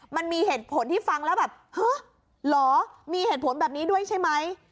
มันมีเหตุผลที่ฟังแล้วแบบฮะเหรอมีเหตุผลแบบนี้ด้วยใช่ไหม